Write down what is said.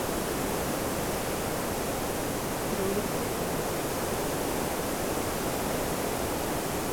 Throw the ball to me.